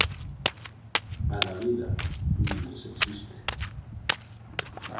A da vida, mentres existe.